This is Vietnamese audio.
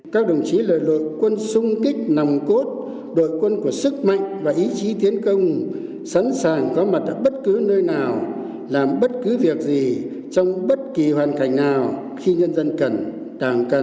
các đồng chí lợi lượng quân sung kích nằm cốt đội quân của sức mạnh và ý chí tiến công sẵn sàng có mặt ở bất cứ nơi nào làm bất cứ việc gì trong bất kỳ hoàn cảnh nào khi nhân dân cần đảng cần